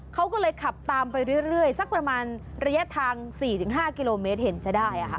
เขาก็เลยขับตามไปเรื่อยสักประมาณระยะทาง๔๕กิโลเมตรเห็นจะได้